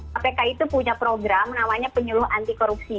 kpk itu punya program namanya penyuluh anti korupsi